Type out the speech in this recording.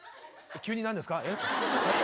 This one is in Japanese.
急になんですか？